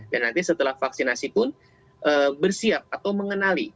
dan nanti setelah vaksinasi pun bersiap atau mengenali